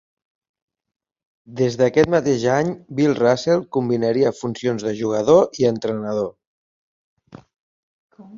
Des d'aquest mateix any Bill Russell combinaria funcions de jugador i entrenador.